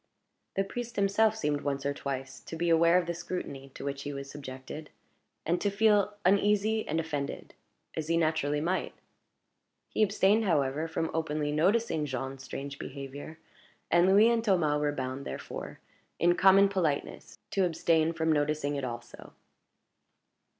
The priest himself seemed once or twice to be aware of the scrutiny to which he was subjected, and to feel uneasy and offended, as he naturally might. He abstained, however, from openly noticing Jean's strange behavior; and Louis and Thomas were bound, therefore, in common politeness, to abstain from noticing it also.